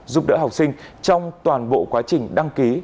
giúp đỡ học sinh trong toàn bộ quá trình đăng ký